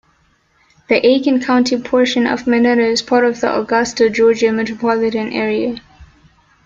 The Aiken County portion of Monetta is part of the Augusta, Georgia metropolitan area.